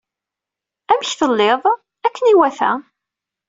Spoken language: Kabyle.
Amek tettiliḍ? - Akken iwata.